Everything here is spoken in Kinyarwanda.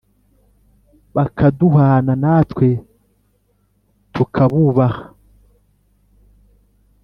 bakaduhana, natwe tukabubaha